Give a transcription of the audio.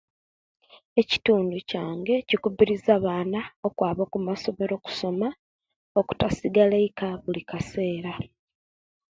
Ekitundu kyange kikubirizia abana okwaba okumasomero okusoma okutasigala eyika bulikasera